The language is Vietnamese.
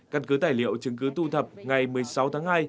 căn cứ tài liệu chứng cứ thu thập ngày một mươi sáu tháng hai